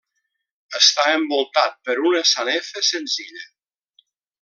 Està envoltat per una sanefa senzilla.